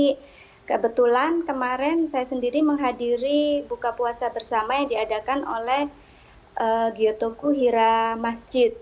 kebetulan kemarin saya sendiri menghadiri buka puasa bersama yang diadakan oleh giotoku hira masjid